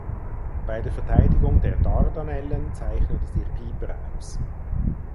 Bei der Verteidigung der Dardanellen zeichnete sich Pieper aus.